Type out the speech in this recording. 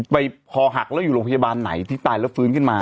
ไปพอหักแล้วอยู่โรงพยาบาลไหนที่ตายแล้วฟื้นขึ้นมา